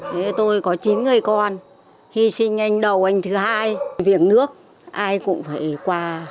thế tôi có chín người con hy sinh anh đầu anh thứ hai viện nước ai cũng phải qua